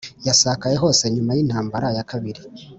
yasakaye hose nyuma y'intambara ya kabiri